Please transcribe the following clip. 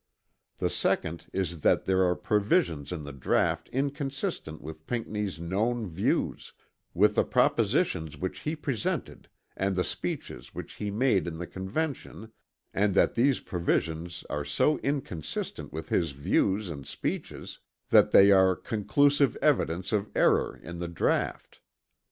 The second is that there are provisions in the draught inconsistent with Pinckney's known views, with the propositions which he presented and the speeches which he made in the Convention and that these provisions are so inconsistent with his views and speeches that they are "conclusive evidence of error" in the draught.